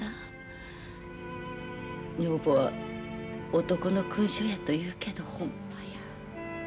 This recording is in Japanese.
女房は男の勲章やと言うけどホンマや。